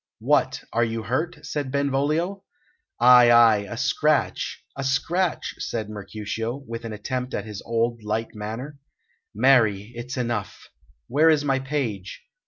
"What, are you hurt?" said Benvolio. "Ay, ay, a scratch a scratch," said Mercutio, with an attempt at his old light manner. "Marry, it's enough. Where is my page?